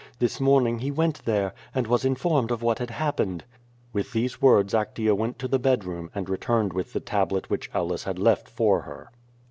This morning he went there, and was informed of what had happened." With these words Actea went to the bed room and returned with the tablet which Aulus had left for her.